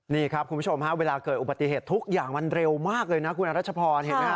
นี่ครับคุณผู้ชมฮะเวลาเกิดอุบัติเหตุทุกอย่างมันเร็วมากเลยนะคุณรัชพรเห็นไหมฮ